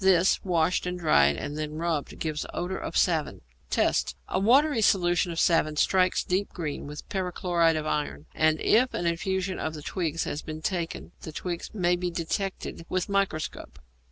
This, washed and dried and then rubbed, gives odour of savin. Test. A watery solution of savin strikes deep green with perchloride of iron, and if an infusion of the twigs has been taken the twigs may be detected with the microscope.